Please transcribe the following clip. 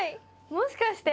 もしかして？